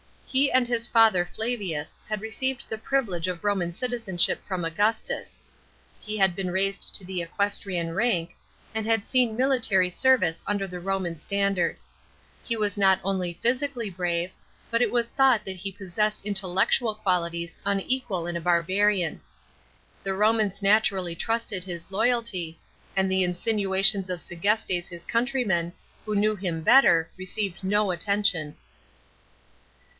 He and his brother Flavus had received the privilege of Roman citizenship from Augustus; 9 A.D. AKM1NIUS. 135 he had been raised to the equestrian rank, and had seen military sirvice under the Koman standard. He was not only physically brave, hut it was thought tliat he possessed intellectual qualities unusual in a barbarian. The Romans naturally trusted his loyalty, and the insinuations of Seg( stes his countryman, who knew him beiter, received no attention.